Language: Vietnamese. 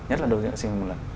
nhất là đồ nhựa sử dụng một lần